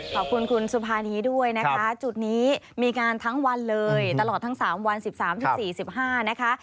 ขอบคุณคุณสุภานีด้วยนะคะจุดนี้มีงานทั้งวันเลยตลอดทั้ง๓วัน๑๓๑๔๑๕นะคะ